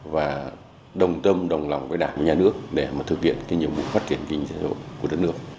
và đồng tâm đồng lòng với đảng và nhà nước để mà thực hiện cái nhiệm vụ phát triển kinh tế của đất nước